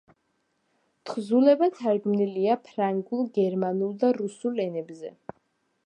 თხზულება თარგმნილია ფრანგულ, გერმანულ და რუსულ ენებზე.